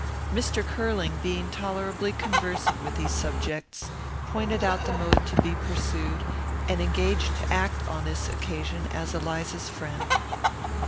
Mr. Curling, being tolerably conversant with these subjects, pointed out the mode to be pursued, and engaged to act on this occasion as Eliza's friend.